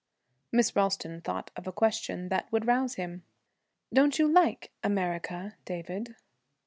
Miss Ralston thought of a question that would rouse him. 'Don't you like "America," David?'